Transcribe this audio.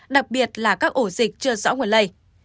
đặc biệt là các ổ dịch chưa rõ nguồn lây